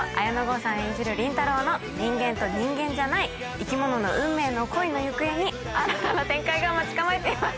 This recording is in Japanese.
倫太郎の人間と人間じゃない生き物の運命の恋の行方に新たな展開が待ち構えています